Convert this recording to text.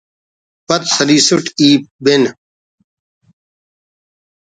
پَد سَلِیسُٹ ای بِن